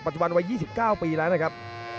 จุบันวัย๒๙ปีแล้วนะครับ